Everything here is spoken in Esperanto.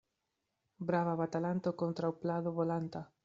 Brava batalanto kontraŭ plado bolanta.